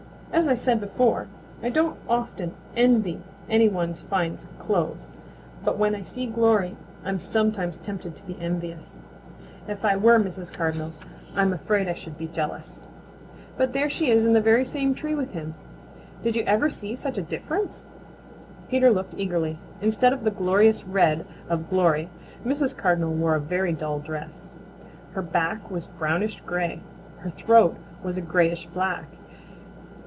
As I said before, I don't often envy any one's fine clothes, but when I see Glory I'm sometimes tempted to be envious. If I were Mrs. Cardinal I'm afraid I should be jealous. There she is in the very same tree with him. Did you ever see such a difference?" Peter looked eagerly. Instead of the glorious red of Glory, Mrs. Cardinal wore a very dull dress. Her back was a brownish gray. Her throat was a grayish black.